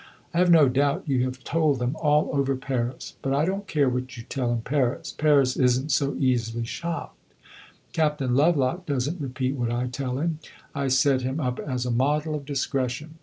I have no doubt you have told them all over Paris, but I don't care what you tell in Paris Paris is n't so easily shocked. Captain Lovelock does n't repeat what I tell him; I set him up as a model of discretion.